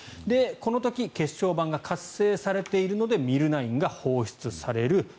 この時血小板が活性されているのでＭｙｌ９が放出される。